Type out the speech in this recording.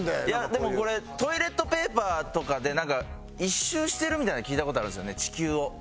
いやでもこれトイレットペーパーとかでなんか１周してるみたいな聞いた事あるんですよね地球を。